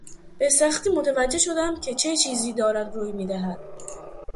به سختی متوجه شدم که چه چیزی دارد روی میدهد.